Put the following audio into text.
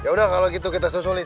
yaudah kalau gitu kita susulin